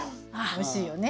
おいしいよね。